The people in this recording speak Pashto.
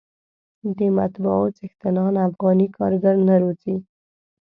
د مطبعو څښتنان افغاني کارګر نه روزي.